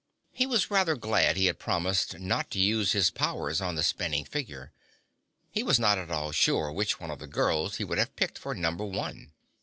He was rather glad he had promised not to use his powers on the spinning figure. He was not at all sure which one of the girls he would have picked for Number One.